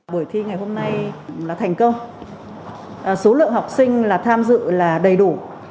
buổi thi ngày hôm nay là thành công số lượng học sinh tham dự là đầy đủ